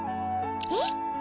えっ？